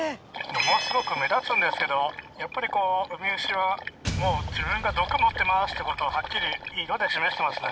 ものすごく目立つんですけどやっぱりこうウミウシは自分が毒持ってますってことをはっきり色で示してますね。